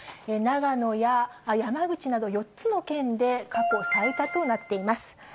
長野や山口など、４つの県で過去最多となっています。